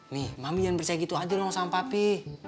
nih mami jangan percaya gitu aja dong sama papi